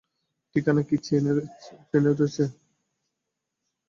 ঠিকানা কী চেইনে রয়েছে।